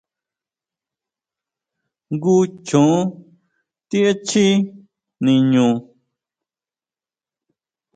¿Jngu chjon ti echjí niñu?